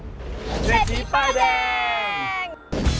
เศรษฐีป้ายแดง